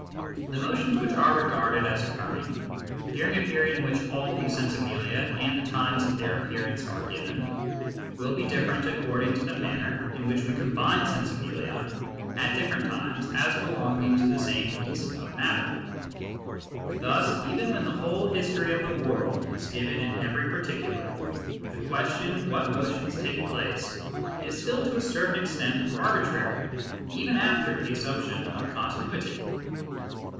The motions which are regarded as occurring, during a period in which all the " sensibilia " and the times of their appearance are given, will be different according to the manner in which we combine " sensibilia " at different times as belonging to the same piece of matter. Thus even when the whole history of the world is given in every particular, the question what motions take place is still to a certain extent arbitrary even after the assumption of continuity.